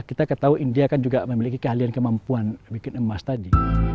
kita ketahui india kan juga memiliki keahlian kemampuan bikin emas tadi